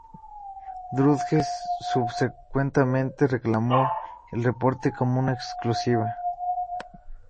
Drudge subsecuentemente reclamó el reporte como una exclusiva.